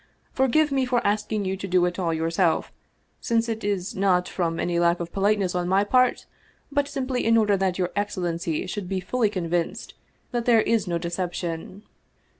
" Forgive me for asking you to do it all yourself, since it is not from any lack of politeness on my part, but simply in order that your excellency should be fully convinced that there is no deception."